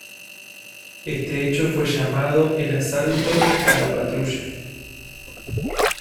Este hecho fue llamado el "Asalto a la patrulla".